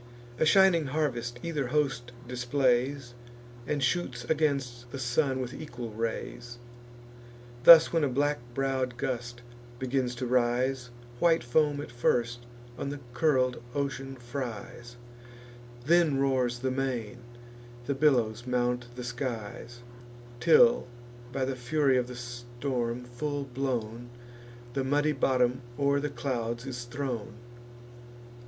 A shining harvest either host displays, And shoots against the sun with equal rays. Thus, when a black brow'd gust begins to rise, White foam at first on the curl'd ocean fries; Then roars the main, the billows mount the skies; Till, by the fury of the storm full blown, The muddy bottom o'er the clouds is thrown.